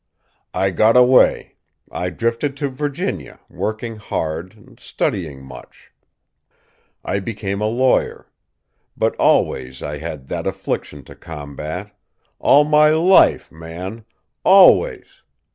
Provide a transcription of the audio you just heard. "I got away. I drifted to Virginia, working hard, studying much. I became a lawyer. But always I had that affliction to combat; all my life, man! always!